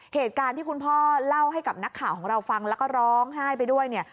เหตุการณ์ที่คุณพ่อเล่าให้กับนักข่าวของเราฟังแล้วก็ร้องไห้ไปด้วยเนี่ย